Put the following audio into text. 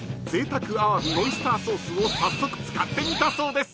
贅沢アワビオイスターソースを早速使ってみたそうです］